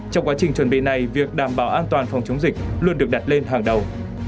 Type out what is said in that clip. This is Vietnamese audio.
trong quá trình chuẩn bị này việc đảm bảo an toàn phòng chống dịch luôn được đặt lên hàng đầu